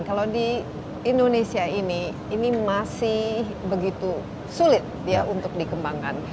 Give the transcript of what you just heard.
kalau di indonesia ini ini masih begitu sulit ya untuk dikembangkan